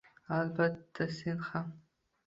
Albatta, sen ham.